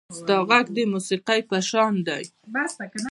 • ستا غږ د موسیقۍ په شان دی.